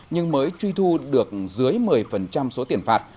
nhưng mới truy thu được dưới một mươi số tiền phạt